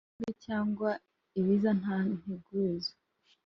ingaruka mbi cyangwa ibiza nta nteguza